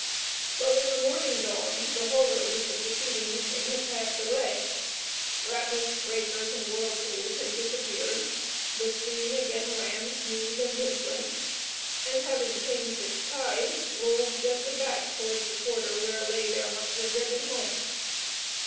But when the morning dawned the horrors of the preceding evening had passed away, rapids, breakers and whirlpools had disappeared, the stream again ran smooth and dimpling, and having changed its tide, rolled gently back towards the quarter where lay their much regretted home.